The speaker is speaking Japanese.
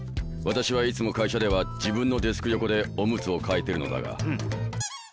私はいつも会社では自分のデスク横でおむつを替えてるのだが。